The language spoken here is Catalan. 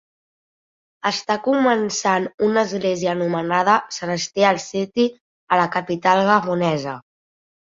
Està començant una església anomenada Celestial City a la capital gabonesa.